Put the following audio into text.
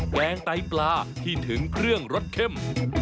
แกงไตปลาที่ถึงเครื่องรสเข้ม